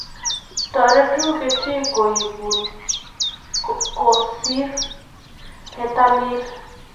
toretuu ketik koibuu koris netalil